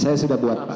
saya sudah buat pak